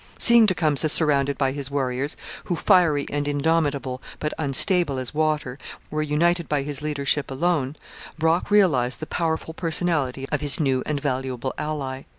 Seeing Tecumseh surrounded by his warriors, who, fiery and indomitable, but unstable as water, were united by his leadership alone, Brock realized the powerful personality of his new and valuable ally.